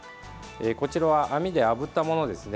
こちらは網であぶったものですね。